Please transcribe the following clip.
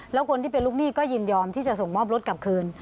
แล้วคนที่เป็นลูกหนี้ก็ยินยอมที่จะส่งมอบรถกลับคืน